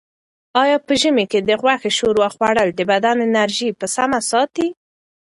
آیا په ژمي کې د غوښې ښوروا خوړل د بدن انرژي په سمه ساتي؟